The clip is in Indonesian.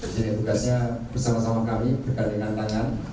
jadi tugasnya bersama sama kami berkali dengan tangan